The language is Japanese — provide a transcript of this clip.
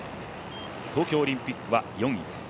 東京オリンピックは４位です。